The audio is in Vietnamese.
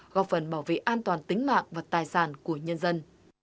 góp phần bảo vệ an toàn tính mạng và tài sản của nhân dân